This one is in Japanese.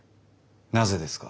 なぜですか？